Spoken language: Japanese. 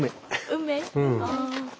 梅？